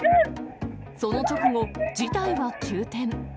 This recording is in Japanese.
その直後、事態は急転。